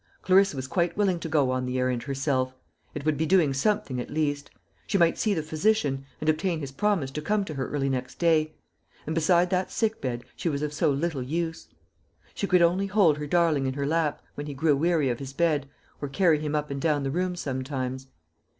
Clarissa was quite willing to go on the errand herself. It would be doing something at least. She might see the physician, and obtain his promise to come to her early next day; and beside that sick bed she was of so little use. She could only hold her darling in her lap, when he grew weary of his bed, or carry him up and down the room sometimes.